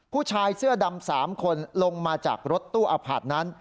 ผู้ชายเสื้อดำ๓คนลงมาจากรถตู้อพาร์ทนั้น